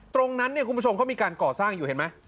ตรงนั้นเนี่ยคุณผู้ชมเขามีการก่อสร้างอยู่เห็นไหม